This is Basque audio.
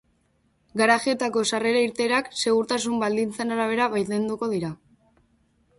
Garajeetako sarrera-irteerak segurtasun baldintzen arabera baimenduko dira.